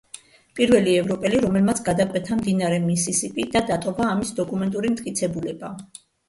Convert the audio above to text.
პირველი ევროპელი, რომელმაც გადაკვეთა მდინარე მისისიპი და დატოვა ამის დოკუმენტური მტკიცებულება.